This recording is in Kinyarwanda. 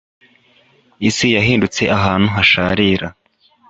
isi yahindutse ahantu hasharira